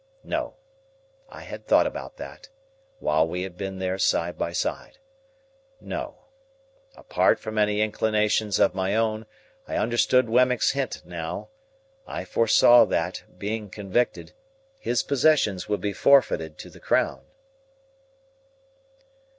No. I had thought about that, while we had been there side by side. No. Apart from any inclinations of my own, I understood Wemmick's hint now. I foresaw that, being convicted, his possessions would be forfeited to the Crown.